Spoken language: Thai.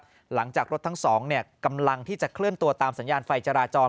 หลังจากรถทั้งสองกำลังที่จะเคลื่อนตัวตามสัญญาณไฟจราจร